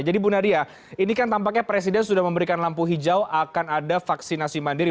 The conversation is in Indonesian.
jadi bu nadia ini kan tampaknya presiden sudah memberikan lampu hijau akan ada vaksinasi mandiri